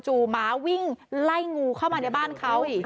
หมาวิ่งไล่งูเข้ามาในบ้านเขา